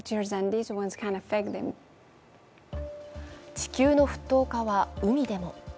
地球の沸騰化は海でも。